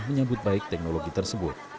menyebut baik teknologi tersebut